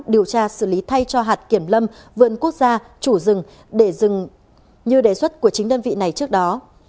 điều tra xử lý thay cho hạt kiểm lâm vườn quốc gia chủ rừng để rừng như đề xuất của chính đơn vị này trước đó